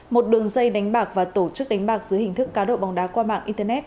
một đường dây đánh bạc và tổ chức đánh bạc dưới hình thức cá độ bóng đá qua mạng internet